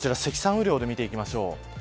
雨量で見ていきましょう。